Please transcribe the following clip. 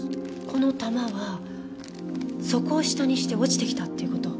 この弾は底を下にして落ちてきたっていう事？